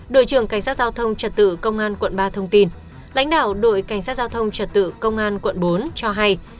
đội trưởng cảnh sát giao thông trật tự công an quận ba thông tin lãnh đạo đội cảnh sát giao thông trật tự công an quận bốn cho hay